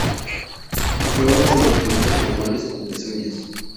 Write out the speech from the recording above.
Fue uno de los primeros animales con pezuñas.